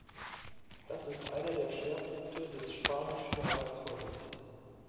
Das ist einer der Schwerpunkte des spanischen Ratsvorsitzes.